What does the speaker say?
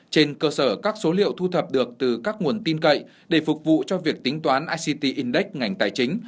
trên cơ sở các số liệu thu thập được từ các nguồn tin cậy để phục vụ cho việc tính toán ict index ngành tài chính